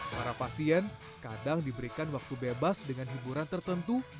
para pasien kadang diberikan waktu bebas dengan hiburan tertentu